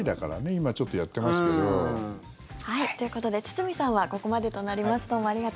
今、ちょっとやってますけど。ということで堤さんはここまでとなります。